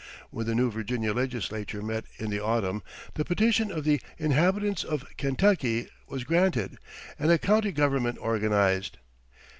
When the new Virginia legislature met in the autumn, the petition of the "inhabitants of Kentuckie" was granted, and a county government organized.